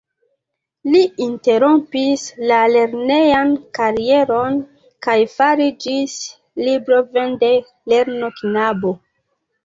Li interrompis la lernejan karieron kaj fariĝis librovendejlernoknabo.